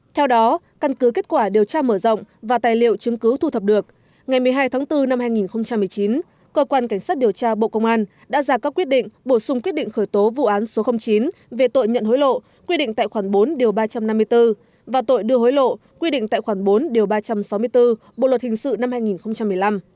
theo đó căn cứ kết quả điều tra mở rộng và tài liệu chứng cứ thu thập được ngày một mươi hai tháng bốn năm hai nghìn một mươi chín cơ quan cảnh sát điều tra bộ công an đã ra các quyết định bổ sung quyết định khởi tố vụ án số chín về tội nhận hối lộ quy định tại khoản bốn điều ba trăm năm mươi bốn và tội đưa hối lộ quy định tại khoản bốn điều ba trăm sáu mươi bốn bộ luật hình sự năm hai nghìn một mươi năm